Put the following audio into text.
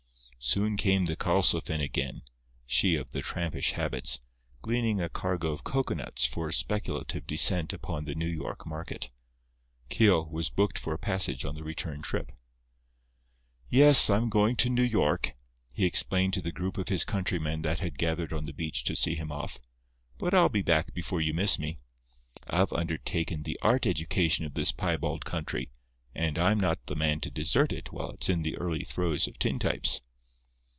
Soon came the Karlsefin again—she of the trampish habits—gleaning a cargo of cocoanuts for a speculative descent upon the New York market. Keogh was booked for a passage on the return trip. "Yes, I'm going to New York," he explained to the group of his countrymen that had gathered on the beach to see him off. "But I'll be back before you miss me. I've undertaken the art education of this piebald country, and I'm not the man to desert it while it's in the early throes of tintypes."